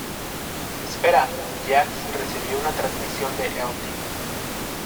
Espera, Jax recibió una transmisión de Lt.